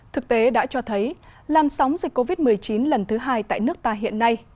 thực tế đã cho thấy lan sóng dịch covid một mươi chín lần thứ hai tại nước ta hiện nay